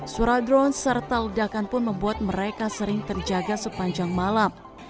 sura drone serta ledakan pun membuat mereka sering terjaga sepanjang malam